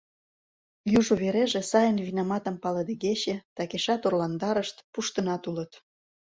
Южо вереже, сайын винаматым палыдегече, такешат орландарышт, пуштынат улыт.